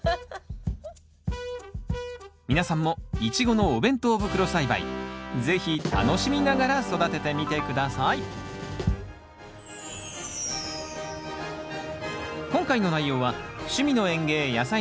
皆さんもイチゴのお弁当袋栽培是非楽しみながら育ててみて下さい今回の内容は「趣味の園芸やさいの時間」